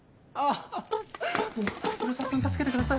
あの広沢さん助けてください。